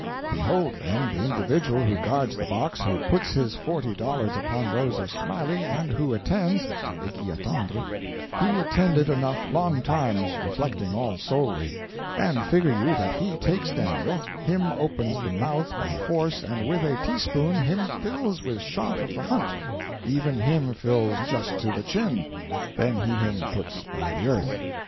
Behold, then, the individual who guards the box, who puts his forty dollars upon those of Smiley, and who attends (et qui attendre). He attended enough longtimes, reflecting all solely. And figure you that he takes Daniel, him opens the mouth by force and with a teaspoon him fills with shot of the hunt, even him fills just to the chin, then he him puts by the earth.